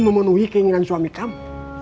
memenuhi keinginan suami kamu